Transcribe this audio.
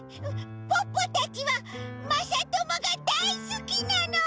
ポッポたちはまさともがだいすきなの！